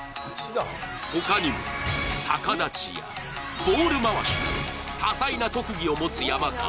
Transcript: ほかにも逆立ちや、ボール回しなど多彩な特技を持つ山川。